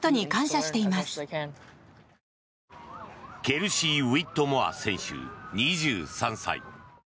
ケルシー・ウィットモア選手２３歳。